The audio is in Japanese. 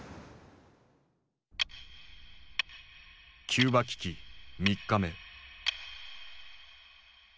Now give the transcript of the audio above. キューバ危機３日目。